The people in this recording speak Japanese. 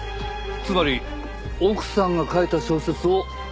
つまり奥さんが書いた小説を持っていた。